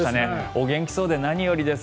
お元気そうで何よりです。